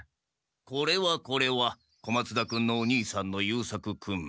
これはこれは小松田君のお兄さんの優作君。